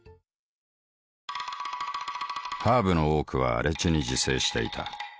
ハーブの多くは荒地に自生していた。